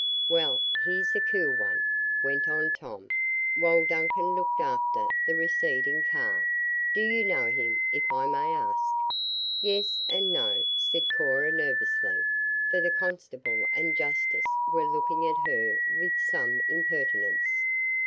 "Well, he's a cool one," went on Tom, while Duncan looked after the receding car. "Do you know him, if I may ask?" "Yes, and no," said Cora nervously, for the constable and justice were looking at her with some impertinence.